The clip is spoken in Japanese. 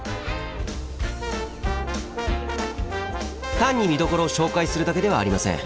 単に見どころを紹介するだけではありません。